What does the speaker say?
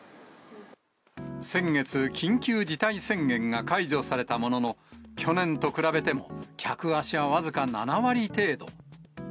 先月、緊急事態宣言が解除されたものの、去年と比べても客足は僅か７割程度。